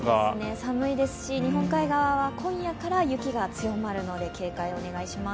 寒いですし日本海側は今夜から雪が強まるので警戒をお願いします。